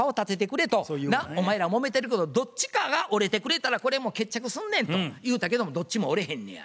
「お前らもめてるけどどっちかが折れてくれたらこれもう決着すんねん」と言うたけどもどっちも折れへんねや。